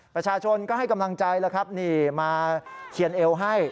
ประชาชนก็ให้กำลังใจแล้วครับนี่มาเขียนเอวให้